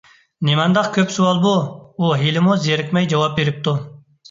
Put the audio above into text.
نېمانداق كۆپ سوئال بۇ؟ ! ئۇ ھېلىمۇ زېرىكمەي جاۋاب بېرىپتۇ.